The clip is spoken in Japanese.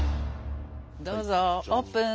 どうぞオープン！